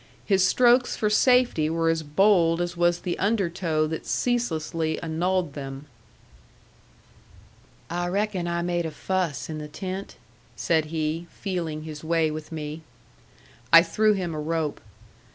His strokes for safety were as bold as was the undertow that ceaselessly annulled them. "I reckon I made a fuss in the tent?" said he, feeling his way with me. I threw him a rope.